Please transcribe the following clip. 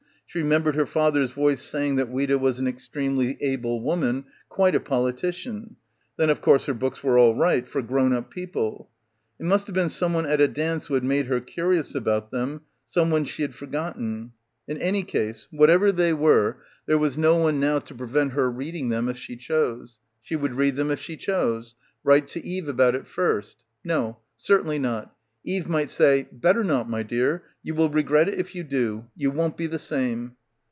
She remembered her father's voice saying that Ouida was an extremely able woman, quite a politician. Then of course her books were all right, for grown up people. It must have been someone at a dance who had made her curious about them, someone she had i — 175— i 1 z PILGRIMAGE > forgotten. In any case, whatever they were, there was no one now to prevent her reading them if she chose. She would read them if she chose. Write to Eve about it first. No. Cer tainly not. Eve might say "Better not, my dear. You will regret it if you do. You won't be the same."